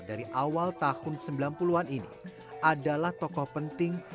dari awal tahun sembilan puluh an ini adalah tokoh penting